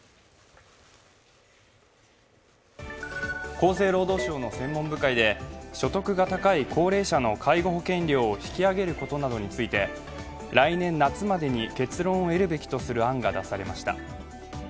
厚生労働省の専門部会で所得が高い高齢者の介護保険料を引き上げることなどについて来年夏までに結論を得るべきとの案が出されました。